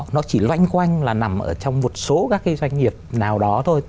nó chỉ loanh quanh là nằm ở trong một số các cái doanh nghiệp nào đó thôi